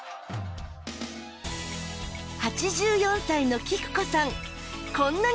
８４歳の喜久子さん。